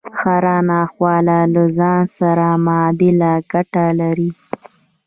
هره ناخواله له ځان سره معادل ګټه لري